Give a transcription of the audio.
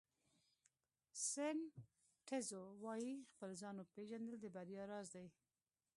سن ټزو وایي خپل ځان پېژندل د بریا راز دی.